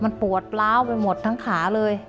มันปวดล้าวไปหมดทั้งขาเลย